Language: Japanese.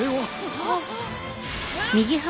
あっ。